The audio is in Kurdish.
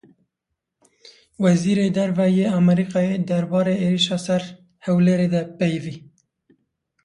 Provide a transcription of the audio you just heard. Wezîrê Derve yê Amerîkayê derbarê êrişa ser Hewlêrê de peyivî.